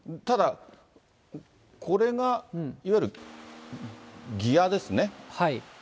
ただ、これが、いわゆるギアですね。